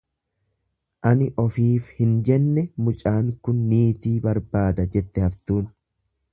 Ani ofiif hin jenne mucaan kun niitii barbaada jette haftuun.